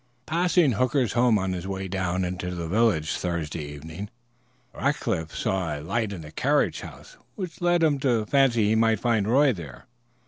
Passing Hooker's home on his way down into the village Thursday evening, Rackliff saw a light in the carriage house, which led him to fancy he might find Roy there.